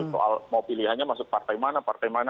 soal mau pilihannya masuk partai mana partai mana